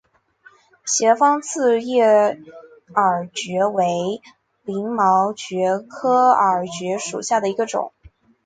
斜方刺叶耳蕨为鳞毛蕨科耳蕨属下的一个种。